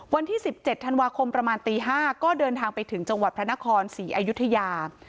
วันที่๑๗ธันวาคมประมาณตี๕ก็เดินทางไปถึงจังหวัดพระนครศรีอยุธยา